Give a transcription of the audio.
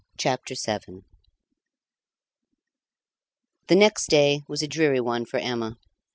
Chapter Seven The next day was a dreary one for Emma.